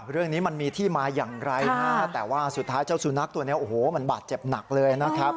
เรื่องนี้มันมีที่มาอย่างไรนะฮะแต่ว่าสุดท้ายเจ้าสุนัขตัวนี้โอ้โหมันบาดเจ็บหนักเลยนะครับ